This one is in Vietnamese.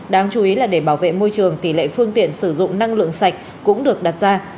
đáng chú ý là để bảo vệ môi trường tỷ lệ phương tiện sử dụng năng lượng sạch cũng được đặt ra